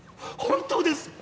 本当です